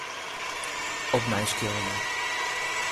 Opnij skilje.